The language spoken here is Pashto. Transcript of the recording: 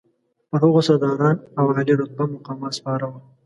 پر هغو سرداران او عالي رتبه مقامات سپاره وو.